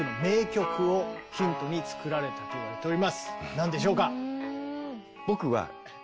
何でしょうか？